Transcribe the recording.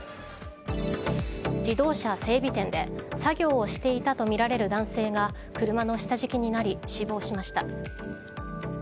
自動車整備店で作業をしていたとみられる男性が車の下敷きになり死亡しました。